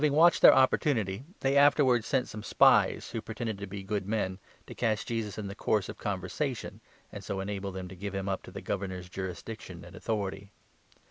Having watched 20 about their opportunity, they afterwards sent some Tribute, spies, who pretended to be good men, to catch Jesus in the course of conversation, and so enable them to give him up to the Governor's jurisdiction and authority.